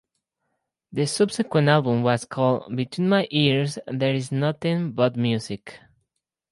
The subsequent album was called "Between My Ears There Is Nothing But Music".